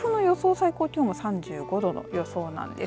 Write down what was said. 最高気温は３５度の予想なんです。